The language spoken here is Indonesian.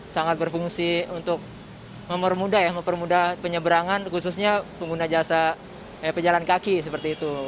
sangat berfungsi untuk mempermudah penyeberangan khususnya pengguna jasa pejalan kaki seperti itu